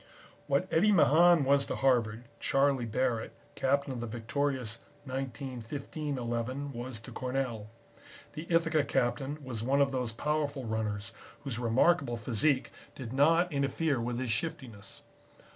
What Eddie Mahan was to Harvard, Charlie Barrett, Captain of the victorious 1915 Eleven, was to Cornell. The Ithaca Captain was one of those powerful runners whose remarkable physique did not interfere with his shiftiness.